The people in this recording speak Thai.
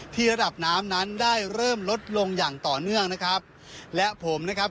ระดับน้ำนั้นได้เริ่มลดลงอย่างต่อเนื่องนะครับและผมนะครับ